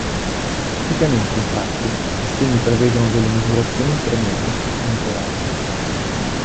Tipicamente, infatti, i sistemi prevedono delle misurazioni intermedie (monitoraggio).